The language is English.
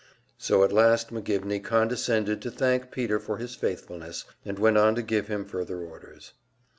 So at last McGivney condescended to thank Peter for his faithfulness, and went on to give him further orders.